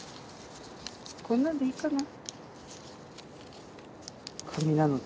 こんなんでいいかな？